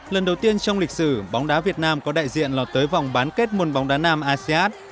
lần đầu tiên trong lịch sử bóng đá việt nam có đại diện lọt tới vòng bán kết môn bóng đá nam asean